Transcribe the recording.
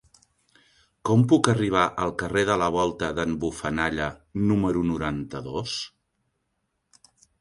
Com puc arribar al carrer de la Volta d'en Bufanalla número noranta-dos?